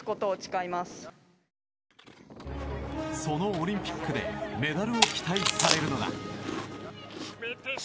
そのオリンピックでメダルを期待されるのが。